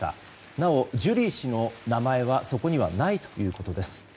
なお、ジュリー氏の名前はそこにはないということです。